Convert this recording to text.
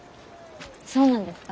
そうなんですか？